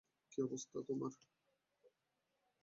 কী অবস্থা তোমার?